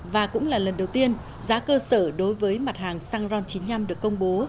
và cũng là lần đầu tiên giá cơ sở đối với mặt hàng xăng ron chín mươi năm được công bố